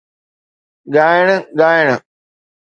ڳائڻ ، ڳائڻ